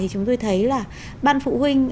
thì chúng tôi thấy là ban phụ huynh